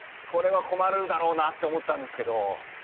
これは困るだろうなって思ったんですけど。